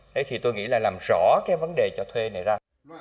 thế thì tôi nghĩ là làm rõ cái vấn đề cho thuê này ra